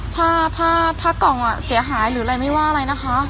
ถ้าถ้ากล่องเสียหายหรืออะไรไม่ว่าอะไรนะคะ